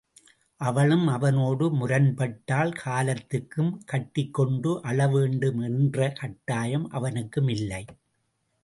அவளும் அவனோடு முரண்பட்டால் காலத்துக்கும் கட்டிக்கொண்டு அழவேண்டும் என்ற கட்டாயம் அவனுக்கும் இல்லை.